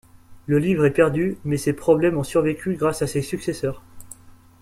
Le livre est perdu mais ses problèmes ont survécu grâce à ses successeurs.